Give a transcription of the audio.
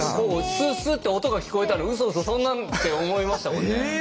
スッスッて音が聞こえたら「うそうそそんな」って思いましたもんね。